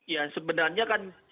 ya sebenarnya kan